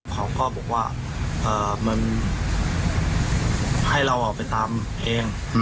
เขาก็บอกว่ามันให้เราออกไปตามเอง